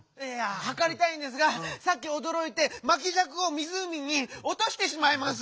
はかりたいんですがさっきおどろいてまきじゃくをみずうみに「おとしてしまいます」。